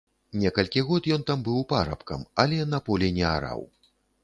Некалькі год ён там быў парабкам, але на полі не араў.